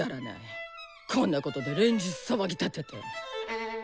こんなことで連日騒ぎ立てて！